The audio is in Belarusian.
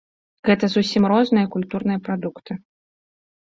Гэта зусім розныя культурныя прадукты.